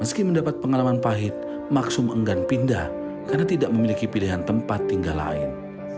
meski mendapat pengalaman pahit maksum enggan pindah karena tidak memiliki pilihan tempat tinggal lain